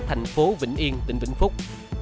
thành phố vĩnh yên tỉnh vĩnh phúc